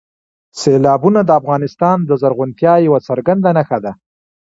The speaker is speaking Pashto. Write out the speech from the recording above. سیلابونه د افغانستان د زرغونتیا یوه څرګنده نښه ده.